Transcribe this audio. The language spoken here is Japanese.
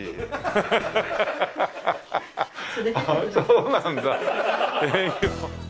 そうなんだ。